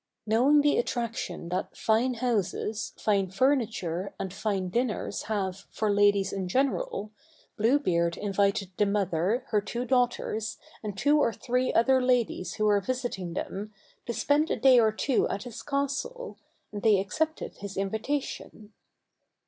Knowing the attraction that fine houses, fine furniture, and fine dinners have for ladies in general, Blue Beard invited the mother, her two daughters, and two or three other ladies who were visiting them, to spend a day or two at his castle, and they accepted his invitation.